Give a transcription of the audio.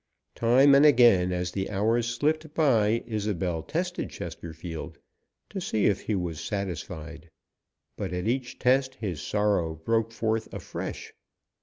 Time and again, as the hours slipped by, Isobel tested Chesterfield, to see if he was satisfied, but at each test his sorrow broke forth afresh.